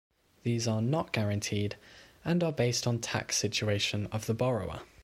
These are not guaranteed and are based on the tax situation of the borrower.